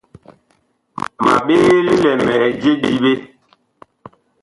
Ma ɓee lilɛmɛɛ je diɓe.